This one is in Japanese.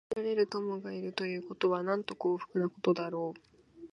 信じられる友がいるということは、なんと幸福なことだろう。